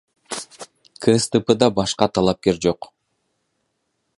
КСДПда башка талапкер жок.